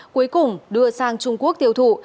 cuối cùng đưa sang trung quốc tiêu thụ